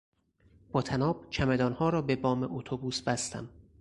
با طناب چمدانها را به بام اتوبوس بستم.